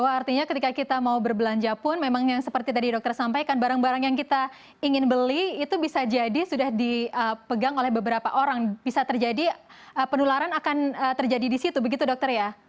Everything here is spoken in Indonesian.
artinya ketika kita mau berbelanja pun memang yang seperti tadi dokter sampaikan barang barang yang kita ingin beli itu bisa jadi sudah dipegang oleh beberapa orang bisa terjadi penularan akan terjadi di situ begitu dokter ya